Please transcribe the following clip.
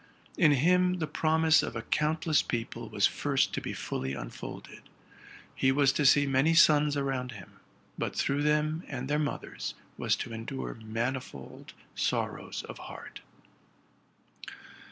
In him the promise of a countless people was first to be fully unfolded: he was to see many sons around him, but through them and _ their mothers was to endure manifold sorrows of heart.